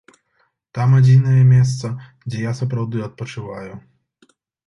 Там адзінае месца, дзе я сапраўды адпачываю.